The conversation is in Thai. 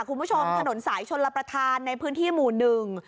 คุณผู้ชมถนนสายชนลประธานในพื้นที่หมู่หนึ่ง